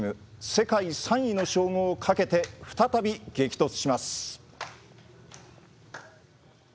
世界３位の称号をかけて再び激突します。